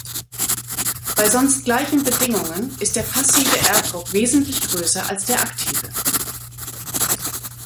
Bei sonst gleichen Bedingungen ist der passive Erddruck wesentlich größer als der aktive.